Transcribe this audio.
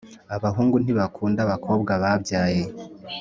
abahungu ntibakunda abakobwa babyaye